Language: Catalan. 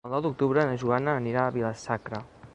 El nou d'octubre na Joana anirà a Vila-sacra.